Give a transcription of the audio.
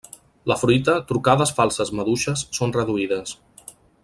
La fruita, trucades falses maduixes són reduïdes.